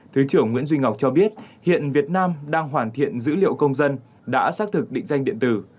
thứ trưởng nguyễn duy ngọc cho biết hiện việt nam đang hoàn thiện dữ liệu công dân đã xác thực định danh điện tử